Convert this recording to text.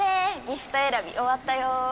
ギフト選び終わったよ！